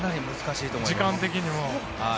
時間的にも。